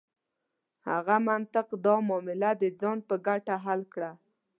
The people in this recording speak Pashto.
هغه منطق دا معادله د ځان په ګټه حل کړه.